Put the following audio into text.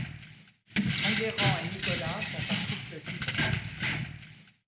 Enguerrand et Nicolas sont un couple libre.